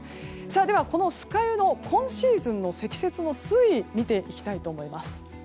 では、この酸ヶ湯の今シーズンの積雪の推移を見ていきたいと思います。